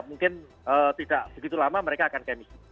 mungkin tidak begitu lama mereka akan kemis